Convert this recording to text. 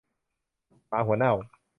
หมาหัวเน่า